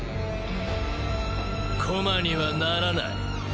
駒にはならない。